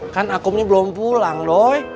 kan akumnya belum pulang doi